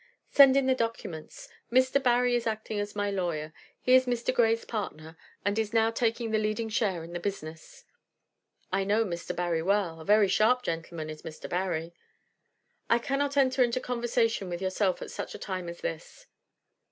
"Send in the documents. Mr. Barry is acting as my lawyer; he is Mr. Grey's partner, and is now taking the leading share in the business." "I know Mr. Barry well; a very sharp gentleman is Mr. Barry." "I cannot enter into conversation with yourself at such a time as this."